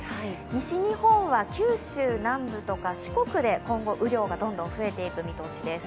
西日本は九州南部とか四国で今後、雨量がどんどん増えていく見通しです。